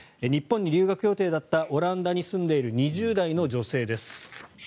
日本に留学予定だったオランダに住んでいる２０代の女性です。